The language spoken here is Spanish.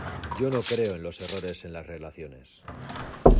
yo no creo en los errores en las relaciones.